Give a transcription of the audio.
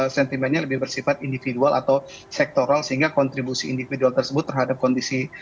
sentimennya lebih bersifat individual atau sektoral sehingga kontribusi individual tersebut terhadap kondisi